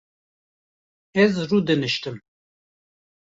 Ez rûdiniştim